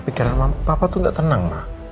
pikiran papa tuh gak tenang